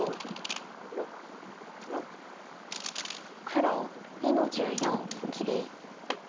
黒２の十四切り。